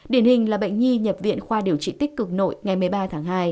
điển hình là bệnh nhi nhập viện khoa điều trị tích cực nội ngày một mươi ba tháng hai